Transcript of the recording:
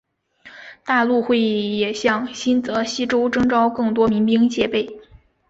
大陆议会也向新泽西州征召更多民兵戒备。